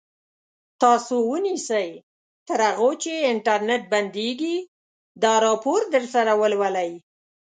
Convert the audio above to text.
تاسو ونیسئ تر هغو چې انټرنټ بندېږي دا راپور درسره ولولئ.